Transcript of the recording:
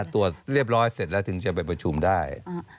ตรวจเรียบร้อยเสร็จแล้วถึงจะไปประชุมได้